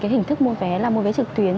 hình thức mua vé là mua vé trực tuyến